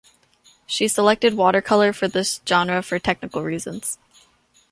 She selected watercolor for this genre for technical reasons.